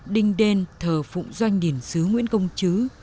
đinh đen thờ phụng doanh điển sứ nguyễn công chứ